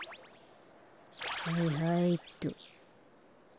はいはいっと。